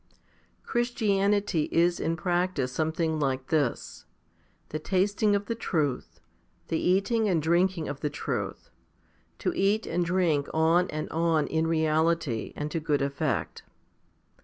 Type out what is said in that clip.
7. Christianity is in practice something like this the tasting of the truth, the eating and drinking of the truth, to eat and drink on and on in reality and to good effect.